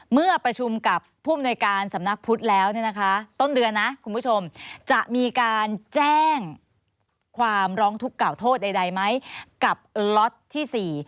เมื่อประชุมกับผู้อำนวยการสำนักพุทธแล้วเนี่ยนะคะต้นเดือนนะคุณผู้ชมจะมีการแจ้งความร้องทุกข์กล่าวโทษใดไหมกับล็อตที่๔